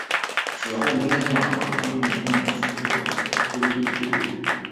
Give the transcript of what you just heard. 此后明清两朝均沿用四郊分祀制度。